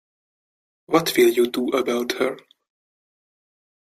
What will you do about her?